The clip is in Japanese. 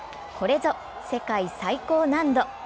これぞ世界最高難度。